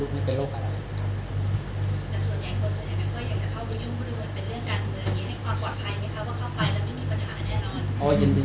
แต่ส่วนใหญ่คนส่วนใหญ่ไม่ค่อยอยากจะเข้าบุญยุงพูดมันเป็นเรื่องการเหมือนนี้